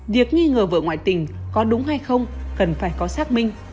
việc nghi ngờ vợ ngoại tình có đúng hay không cần phải có xác minh